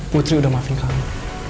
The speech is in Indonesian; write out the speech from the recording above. putri udah maafin kamu